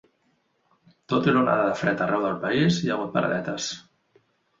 Tot i l’onada de fred arreu del país hi ha hagut paradetes.